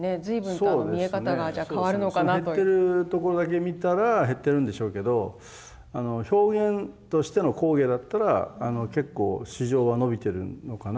そういう減ってるところだけ見たら減ってるんでしょうけど表現としての工芸だったら結構市場は伸びてるのかなって感じしますね。